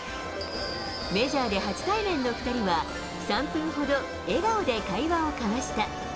メジャーで初対面の２人は、３分ほど笑顔で会話を交わした。